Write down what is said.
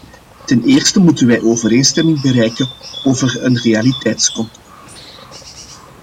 Ten eerste moeten wij overeenstemming bereiken over een realiteitscontrole.